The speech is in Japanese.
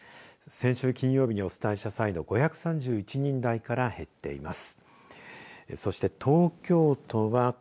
先週金曜日にお伝えした際の４３３人台から減っています。